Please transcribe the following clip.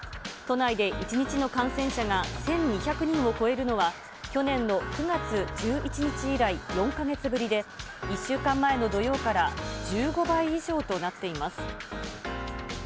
都内で１日の感染者が１２００人を超えるのは、去年の９月１１日以来、４か月ぶりで、１週間前の土曜から１５倍以上となっています。